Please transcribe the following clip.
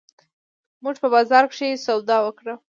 مونږه په بازار کښې سودا وکړه